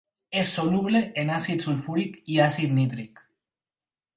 És soluble en àcid sulfúric i àcid nítric.